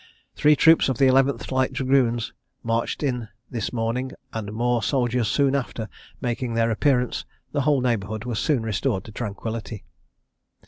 Three troops of the 11th Light Dragoons marched in this morning, and more soldiers soon after making their appearance, the whole neighbourhood was soon restored to tranquillity.